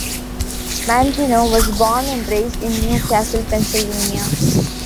Mangino was born and raised in New Castle, Pennsylvania.